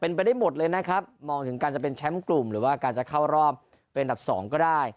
เป็นไปได้หมดเลยนะครับมองถึงการจะเป็นแชมป์กลุ่มหรือว่าการจะเข้ารอบเป็นอันดับ๒ก็ได้